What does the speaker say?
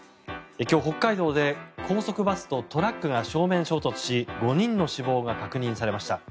今日、北海道で高速バスとトラックが正面衝突し５人の死亡が確認されました。